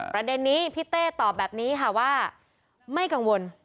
ประเด็นนี้พี่เต้ตอบแบบนี้ค่ะว่าไม่กังวล